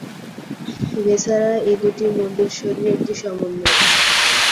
ভেসারা এই দুটি মন্দির শৈলীর একটি সমন্বয়।